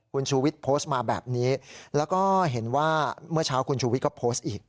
คุณชูวิทย์โพสต์มาแบบนี้แล้วก็เห็นว่าเมื่อเช้าคุณชูวิทย์ก็โพสต์อีก